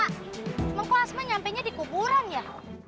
semangku asma nyampainya di kuburan ya